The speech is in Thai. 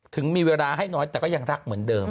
ถึงมีเวลาให้น้อยแต่ก็ยังรักเหมือนเดิม